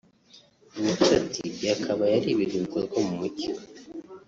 Mico ati “ Byakabaye ari ibintu bikorwa mu mucyo